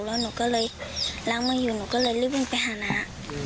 แล้วหนูก็เลยล้างมืออยู่หนูก็เลยรีบวิ่งไปหานะ